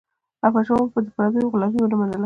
احمدشاه بابا د پردیو غلامي ونه منله.